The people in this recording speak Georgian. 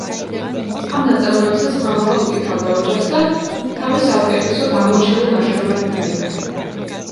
ამ ნაწარმოებსაც ხმამაღლა უკითხავდა ოჯახს და თავის საუკეთესო, გამორჩეულ ნაშრომად თვლიდა.